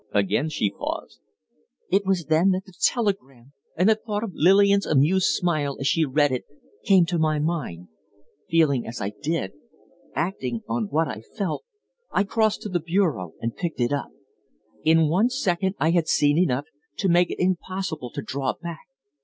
Again she paused. "It was then that the telegram, and the thought of Lillian's amused smile as she had read it, came to my mind. Feeling as I did acting on what I felt I crossed to the bureau and picked it up. In one second I had seen enough to make it impossible to draw back.